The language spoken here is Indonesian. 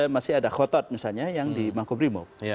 masih ada khotot misalnya yang di makobrimob